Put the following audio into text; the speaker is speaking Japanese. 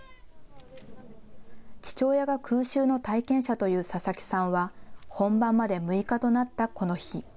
父親が空襲の体験者という佐々木さんは本番まで６日となったこの日。